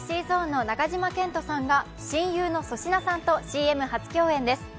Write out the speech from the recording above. ＳｅｘｙＺｏｎｅの中島健人さんが親友の粗品さんとＣＭ初共演です。